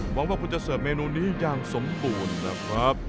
หวังว่าคุณจะเสิร์ฟเมนูนี้อย่างสมบูรณ์นะครับ